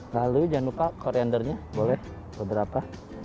lalu jangan lupa koriandernya boleh beberapa